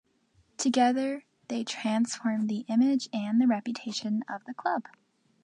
Together they transformed the image and the reputation of the club.